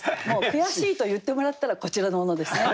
悔しいと言ってもらったらこちらのものですね。